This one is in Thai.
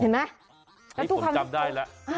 เห็นไหม